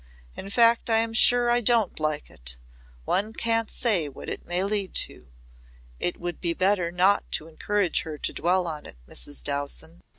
In fact I'm sure I don't like it. One can't say what it may lead to. It would be better not to encourage her to dwell on it, Mrs. Dowson."